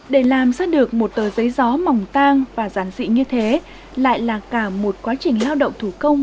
để làm ra được một tờ giấy gió mỏng tang và giản dị như thế lại là cả một quá trình lao động thủ công